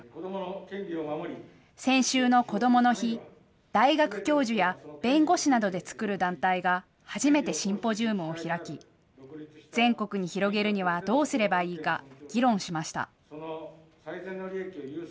先週のこどもの日、大学教授や弁護士などで作る団体が初めてシンポジウムを開き、全国に広げるにはどうすればいいか、議論しました。